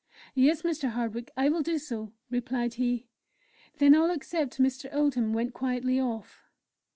"Yes, Mr. Hardwick, I will do so," replied he. Then all except Mr. Oldham went quietly off.